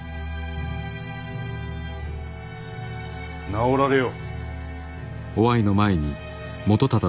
直られよ。